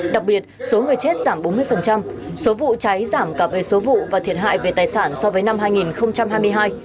đặc biệt số người chết giảm bốn mươi số vụ cháy giảm cả về số vụ và thiệt hại về tài sản so với năm hai nghìn hai mươi hai